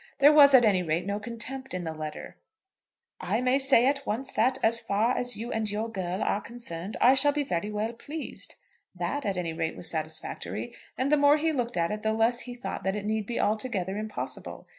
There was, at any rate, no contempt in the letter. "I may at once say that, as far as you and your girl are concerned, I shall be very well pleased." That, at any rate, was satisfactory. And the more he looked at it the less he thought that it need be altogether impossible.